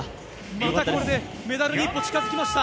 またこれでメダルに一歩近付きました。